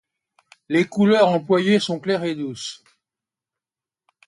Les couleurs employées sont claires et douces.